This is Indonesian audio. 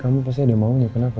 kamu pasti ada yang maunya kenapa